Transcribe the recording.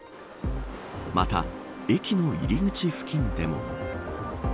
また、駅の入り口付近でも。